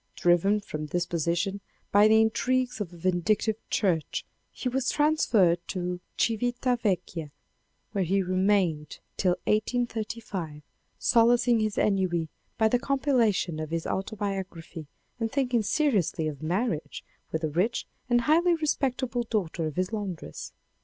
Driven from this position by the intrigues of a vindictive Church he was transferred to Civita Vecchia where he remainted till 1835, solacing his ennui by the compilation of his auto biography and thinking seriously of marriage with the rich and highly respectable daughter of his laundress.